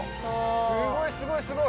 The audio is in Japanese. すごいすごいすごい。